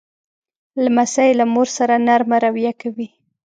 لمسی له مور سره نرمه رویه کوي.